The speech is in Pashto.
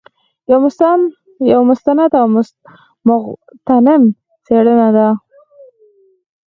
یو مستند او مغتنم څېړنه ده.